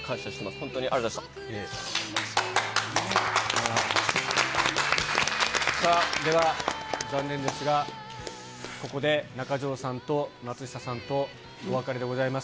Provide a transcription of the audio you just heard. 本当にあさあ、では、残念ですが、ここで中条さんと松下さんとお別れでございます。